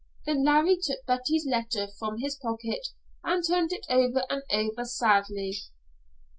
Then Larry took Betty's letter from his pocket and turned it over and over, sadly.